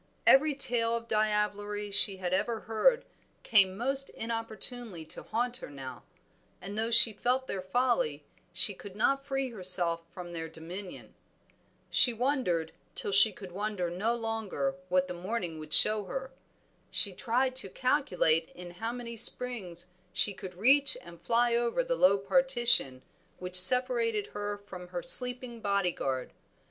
Every tale of diablerie she had ever heard came most inopportunely to haunt her now, and though she felt their folly she could not free herself from their dominion. She wondered till she could wonder no longer what the morning would show her. She tried to calculate in how many springs she could reach and fly over the low partition which separated her from her sleeping body guard.